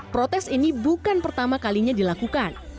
protes ini bukan pertama kalinya dilakukan